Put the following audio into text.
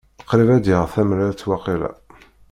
Qrib ad d-yaɣ tamrart waqila.